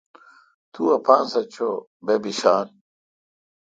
تو اپان سہ چو۔ بہ بیشان۔